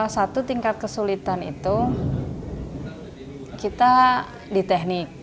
satu tingkat kesulitan itu kita di teknik